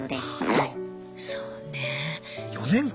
はい。